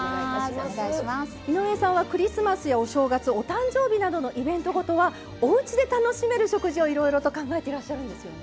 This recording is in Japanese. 井上さんはクリスマスやお正月お誕生日などのイベント事はおうちで楽しめる食事をいろいろ考えていらっしゃるんですよね。